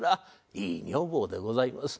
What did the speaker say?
いい女房でございます。